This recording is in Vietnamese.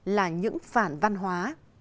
là những phản văn hóa